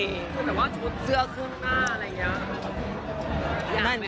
ไม่ว่าชุดเสื้อขึ้นเปล่าอะไรอย่างนี้